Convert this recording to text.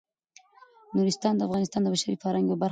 نورستان د افغانستان د بشري فرهنګ برخه ده.